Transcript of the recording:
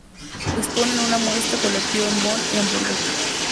Expone en una muestra colectiva en Bonn y en Hamburgo, Alemania.